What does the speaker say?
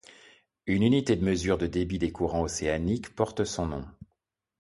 Une unité de mesure de débit des courants océaniques porte son nom.